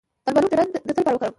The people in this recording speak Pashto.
د الوبالو ډنډر د څه لپاره وکاروم؟